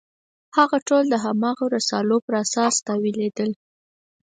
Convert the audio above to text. هغه ټول د هماغو رسالو پر اساس تاویلېدل.